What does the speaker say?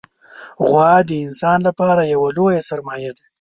غوا د انسان لپاره یوه لویه سرمایه ده.